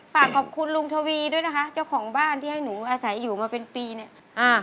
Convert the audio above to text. ฝากขอบคุณลุงทวีด้วยนะคะเจ้าของบ้านที่ให้หนูอาศัยอยู่มาเป็นปีเนี่ยอ่า